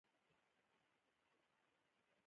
افغانستان به یو کیږي؟